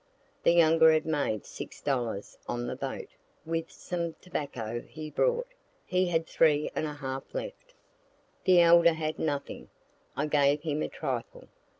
The younger had made six dollars on the boat, with some tobacco he brought; he had three and a half left. The elder had nothing; I gave him a trifle.